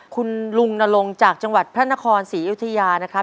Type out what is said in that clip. คุณลุงนาลงจากจังหวัดพระนครสี่เอวทะยานะครับ